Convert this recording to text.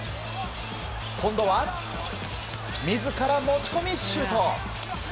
今度は、自ら持ち込みシュート！